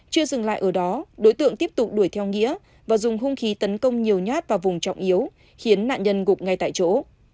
chưa dừng lại ở đó đối tượng tiếp tục đuổi theo nghĩa và dùng hung khí tấn công nhiều nhát vào vùng trọng yếu khiến nạn nhân gục ngay tại chỗ